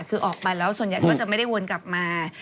คือออกไปแล้วส่วนใหญ่ก็จะไม่ได้วนกลับมา